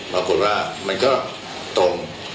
ปรากฏว่ามันก็ตรง